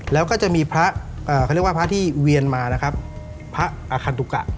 แล้วก็จะมีพระเขาเรียกว่าพระที่เวียนมานะครับพระอาคันตุกะ